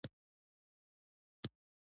په کمزورو او زړو رحم کول پکار دي.